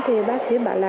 thì bác chí bảo là